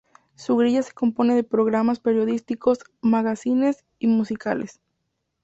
Su grilla se compone de programas periodísticos, magacines y musicales.